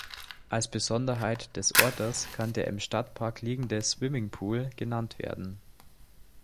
Als Besonderheit des Ortes kann der im Stadtpark liegende Swimmingpool genannt werden.